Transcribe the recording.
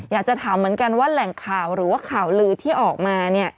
อยากจะถามเหมือนกันว่าแหล่งข่าวหรือว่าข่าวลือที่ออกมา